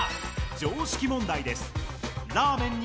常識問題です。